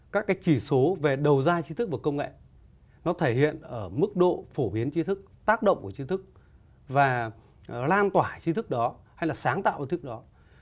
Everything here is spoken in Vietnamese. các cái chỉ số về đầu giai trí thức và công nghệ nó thể hiện ở mức độ phổ biến trí thức tác động của trí thức và lan tỏa trí thức đó hay là sáng tạo trí thức đó